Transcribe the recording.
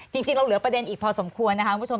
จริงเราเหลือประเด็นอีกพอสมควรนะคะคุณผู้ชม